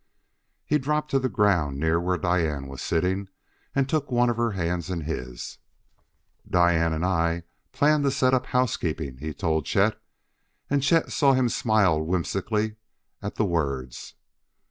He dropped to the ground near where Diane was sitting, and took one of her hands in his. "Diane and I plan to 'set up housekeeping,'" he told Chet, and Chet saw him smile whimsically at the words.